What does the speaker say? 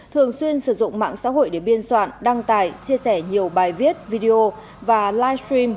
thường xuyên sử dụng mạng xã hội để biên soạn đăng tải chia sẻ nhiều bài viết video và livestream